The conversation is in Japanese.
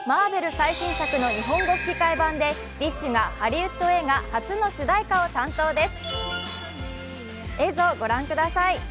最新作の日本語吹き替え版で、ＤＩＳＨ／／がハリウッド映画初の主題歌を担当です。